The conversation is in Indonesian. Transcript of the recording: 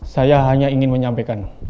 saya hanya ingin menyampaikan